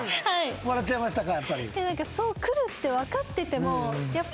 笑っちゃいましたか？